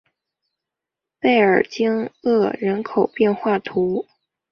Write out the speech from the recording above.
贝尔济厄人口变化图示